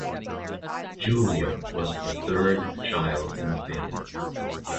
Julia was the third child in the family.